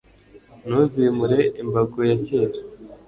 Ntuzimure imbago ya kera